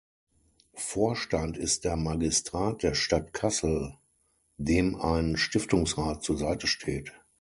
Vorstand ist der Magistrat der Stadt Kassel, dem ein Stiftungsrat zur Seite steht.